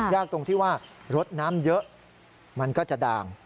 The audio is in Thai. ตรงที่ว่ารถน้ำเยอะมันก็จะด่าง